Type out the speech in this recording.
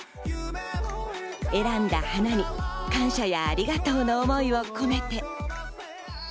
選んだ花に感謝や、ありがとうの思いを込めて。